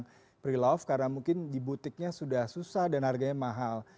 yang pre love karena mungkin di butiknya sudah susah dan harganya mahal